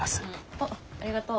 あっありがとう。